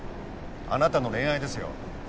あなたの恋愛ですよ。